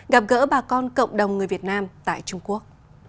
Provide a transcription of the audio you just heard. gặp gỡ bà con cộng đồng người việt nam tại trung quốc